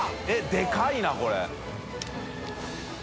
でかいなこれ。